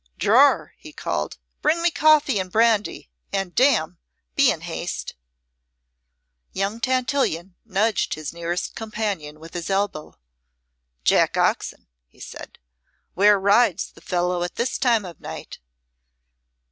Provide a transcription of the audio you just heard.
"Drawer!" he called, "bring me coffee and brandy, and, damme! be in haste." Young Tantillion nudged his nearest companion with his elbow. "Jack Oxon," he said. "Where rides the fellow at this time of night?"